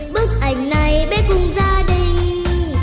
bức ảnh này biết cùng gia đình